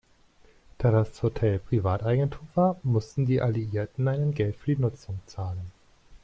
Da das Hotel Privateigentum war, mussten die Alliierten ein Entgelt für die Nutzung zahlen.